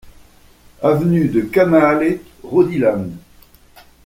Avenue de Canale, Rodilhan